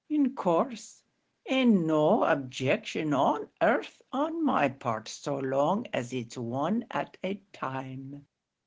"In course; and no objection on arth on my part so long as it's one at a time."